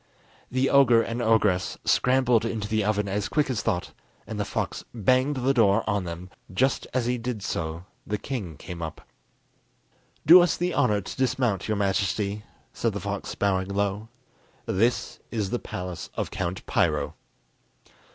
The ogre and ogress scrambled into the oven as quick as thought, and the fox banged the door on them; just as he did so the king came up. "Do us the honour to dismount, your Majesty," said the fox, bowing low. "This is the palace of Count Piro!"